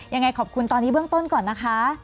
ยังไงขอบคุณตอนนี้เบื้องต้นก่อนนะคะ